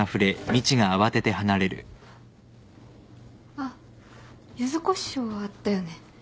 あっユズこしょうあったよね。